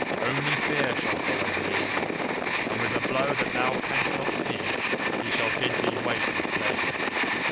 Only Fear shall follow thee, and with a blow that thou canst not see he shall bid thee wait his pleasure.